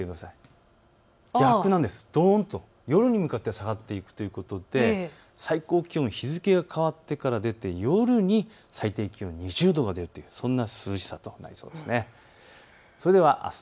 どーんと夜に向かって下がっていくということで最高気温日付が変わってから出て夜に最低気温２０度が出てそんな涼しさとなりそうです。